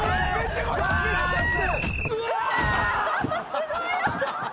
すごい。